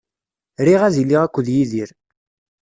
Riɣ ad iliɣ akked Yidir.